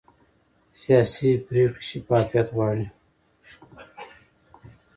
سیاسي پرېکړې شفافیت غواړي